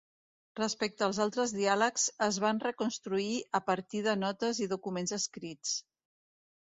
Respecte als altres diàlegs, es van reconstruir a partir de notes i documents escrits.